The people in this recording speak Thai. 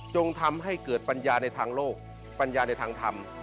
ทำให้เกิดปัญญาในทางโลกปัญญาในทางธรรม